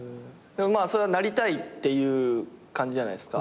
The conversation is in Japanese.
それはなりたいっていう感じじゃないですか。